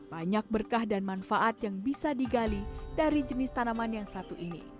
banyak berkah dan manfaat yang bisa digali dari jenis tanaman yang satu ini